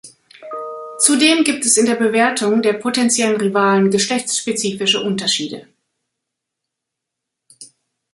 Zudem gibt es in der Bewertung der potentiellen Rivalen geschlechtsspezifische Unterschiede.